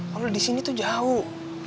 kalo disini tuh jauh